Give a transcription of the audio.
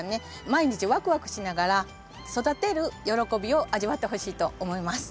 毎日ワクワクしながら育てる喜びを味わってほしいと思います。